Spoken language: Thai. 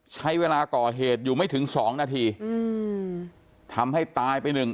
ใช้เวลาก่อเหตุอยู่ไม่ถึงสองนาทีอืมทำให้ตายไปหนึ่ง